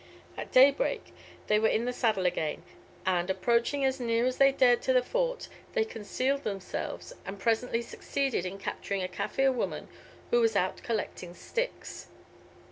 At daybreak, they were in the saddle again, and approaching as near as they dared to the Fort, they concealed themselves, and presently succeeded in capturing a Kaffir woman who was out collecting sticks.